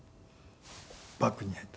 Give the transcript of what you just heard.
バッグに入って。